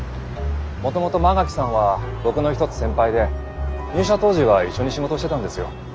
もともと馬垣さんは僕の一つ先輩で入社当時は一緒に仕事してたんですよ。